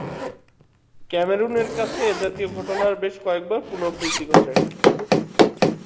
ক্যামেরুনের কাছে এজাতীয় ঘটনার বেশ কয়েকবার পুনরাবৃত্তি ঘটে।